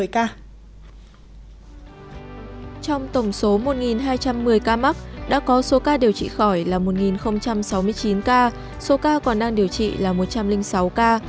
trong tổng số một hai trăm một mươi ca mắc đã có số ca điều trị khỏi là một sáu mươi chín ca số ca còn đang điều trị là một trăm linh sáu ca